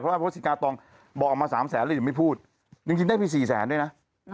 เพราะว่าสิกาตองบอกออกมา๓แสนแล้วยังไม่พูดจริงได้ไป๔แสนด้วยนะ